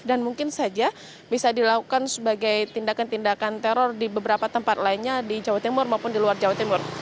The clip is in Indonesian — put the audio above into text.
dan mungkin saja bisa dilakukan sebagai tindakan tindakan teror di beberapa tempat lainnya di jawa timur maupun di luar jawa timur